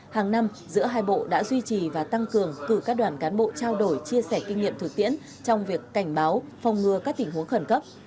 hàng năm giữa hai bộ đã duy trì và tăng cường cử các đoàn cán bộ trao đổi chia sẻ kinh nghiệm thực tiễn trong việc cảnh báo phòng ngừa các tình huống khẩn cấp